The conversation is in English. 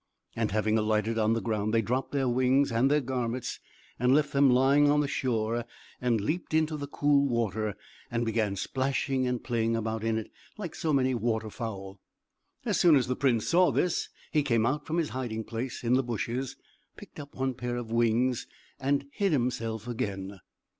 And having alighted on the ground they dropped their wings and their garments, and left them lying on the shore and leaped into the cool water, and began splashing and playing about in it, like so many waterfowl. As soon as the prince saw this he came out from his hiding place in the bushes, picked up one pair of wings and hid himself again.